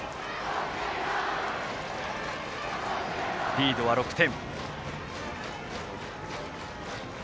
リードは６点。